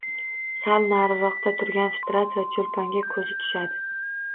Sal nariroqda turgan Fitrat va Choʻlponga koʻzi tushadi.